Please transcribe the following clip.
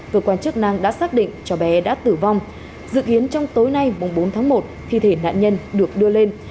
cơ quan chức năng đã xác định cháu bé đã tử vong dự kiến trong tối nay bốn tháng một thi thể nạn nhân được đưa lên